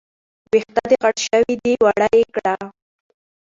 وېښته دې غټ شوي دي، واړه يې کړه